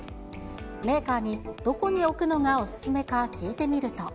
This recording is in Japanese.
メーカーにどこに置くのがお勧めか、聞いてみると。